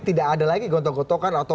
tidak ada lagi gontok gotokan atau